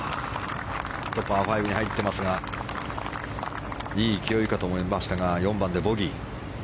パー５に入っていますがいい勢いかと思いましたが４番でボギー。